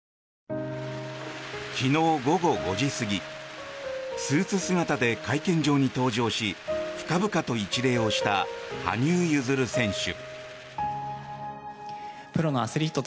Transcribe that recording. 昨日午後５時過ぎスーツ姿で会見場に登場し深々と一礼をした羽生結弦選手。